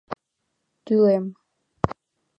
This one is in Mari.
— Тӱлем...